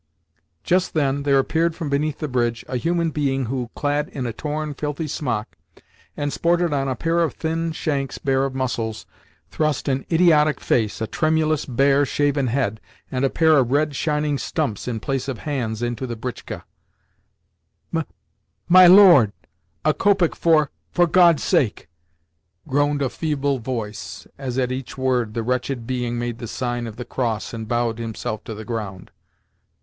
Just then there appeared from beneath the bridge a human being who, clad in a torn, filthy smock, and supported on a pair of thin shanks bare of muscles, thrust an idiotic face, a tremulous, bare, shaven head, and a pair of red, shining stumps in place of hands into the britchka. "M my lord! A copeck for—for God's sake!" groaned a feeble voice as at each word the wretched being made the sign of the cross and bowed himself to the ground.